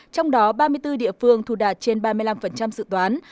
trong đó ba mươi bốn địa phương thu đạt trên ba mươi năm dự toán